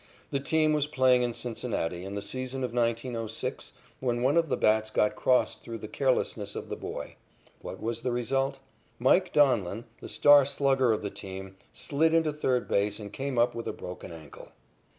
The team was playing in Cincinnati in the season of 1906 when one of the bats got crossed through the carelessness of the boy. What was the result? "Mike" Donlin, the star slugger of the team, slid into third base and came up with a broken ankle.